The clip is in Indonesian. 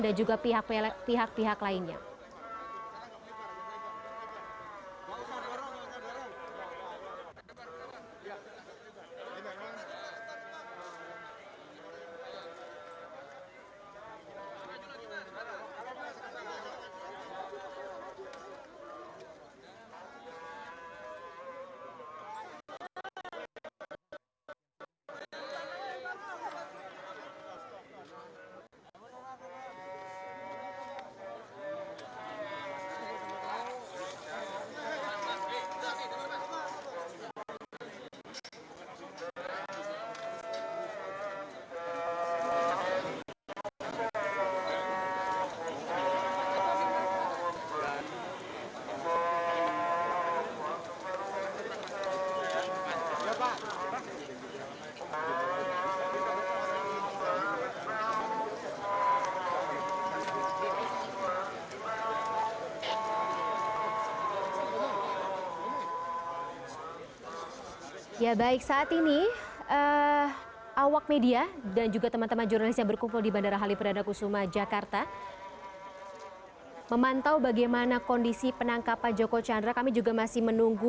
dan juga perwira yang berpengaruh